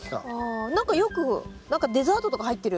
何かよくデザートとか入ってる。